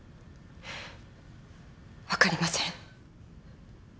わかりません。